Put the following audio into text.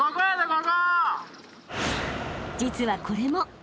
［実はこれも］